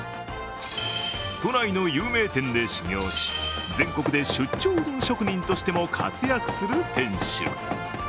都内の有名店で修業し、全国で出張うどん職人としても活躍する店主。